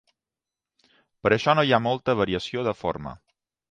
Per això, no hi ha molta variació de forma.